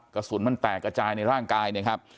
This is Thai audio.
กระสุนแตกกระจายในร่างกาย